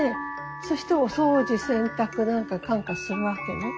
そしてお掃除洗濯なんかかんかするわけね。